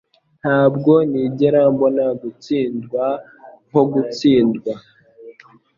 Ntabwo nigera mbona gutsindwa nko gutsindwa,